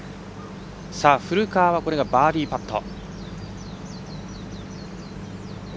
古川はバーディーパット。